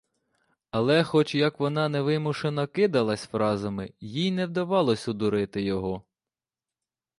Але, хоч як вона невимушено кидалась фразами, їй не вдалось одурити його.